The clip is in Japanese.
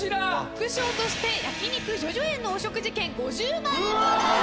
副賞として焼き肉叙々苑のお食事券５０万円分です。